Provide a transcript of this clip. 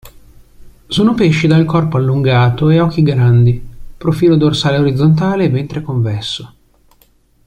Sono pesci dal corpo allungato e occhi grandi, profilo dorsale orizzontale e ventre convesso.